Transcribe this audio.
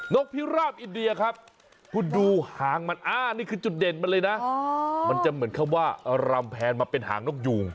นกผิราปเอ็ดเดียครับพูดดูหางมันนี่คือจุดเด่นเลยนะอ่ามันจะเหมือนเขาว่ารำแผนมาเป็นหางนกยูง